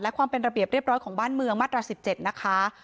และความเป็นระเบียบเรียบร้อยของบ้านเมืองมาตรา๑๗นะคะ